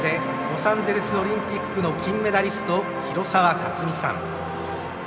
ロサンゼルスオリンピックの金メダリスト、広澤克実さん。